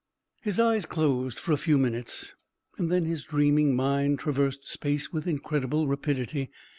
His eyes closed for a few minutes, and then his dreaming mind traversed space with incredible rapidity.